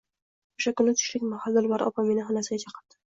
O`sha kuni tushlik mahal Dilbar opa meni xonasiga chaqirdi